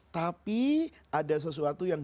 tapi ada sesuatu yang